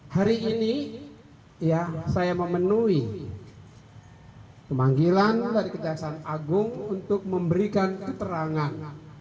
hari ini saya memenuhi pemanggilan dari kejaksaan agung untuk memberikan keterangan